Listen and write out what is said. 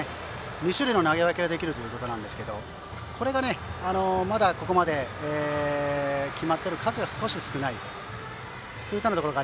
２種類の投げ分けができるということですがこれが、まだここまで決まっている数が少し少ない。